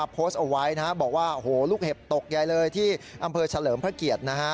โพสต์เอาไว้บอกว่าโอ้โหลูกเห็บตกใหญ่เลยที่อำเภอเฉลิมพระเกียรตินะฮะ